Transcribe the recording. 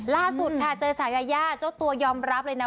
ล่าสุดค่ะเจอสาวยายาเจ้าตัวยอมรับเลยนะ